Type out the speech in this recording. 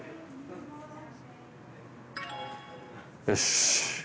よし。